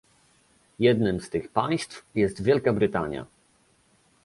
Jednym z tych państw jest Wielka Brytania